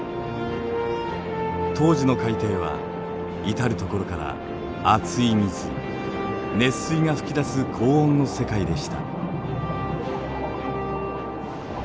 当時の海底は至る所から熱い水熱水が噴き出す高温の世界でした。